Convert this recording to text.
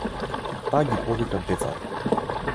Таа ги повика децата.